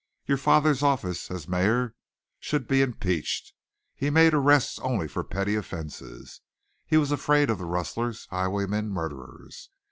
Your father's office as mayor should be impeached. He made arrests only for petty offenses. He was afraid of the rustlers, highwaymen, murderers.